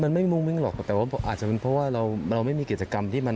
มันไม่มุ่งมิ้งหรอกแต่ว่าอาจจะเป็นเพราะว่าเราไม่มีกิจกรรมที่มัน